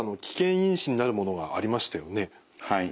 はい。